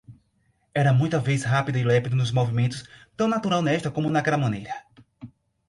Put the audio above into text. era muita vez rápido e lépido nos movimentos, tão natural nesta como naquela maneira.